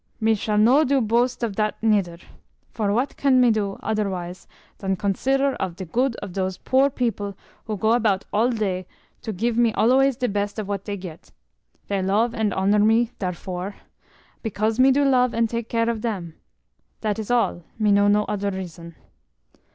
Me sall no do boast of dat neider: for what can me do oderwise dan consider of de good of dose poor people who go about all day to give me always de best of what dey get. Dey love and honour me darefore, because me do love and take care of dem; dat is all, me know no oder reason.